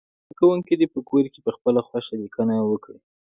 زده کوونکي دې په کور کې پخپله خوښه لیکنه وکړي.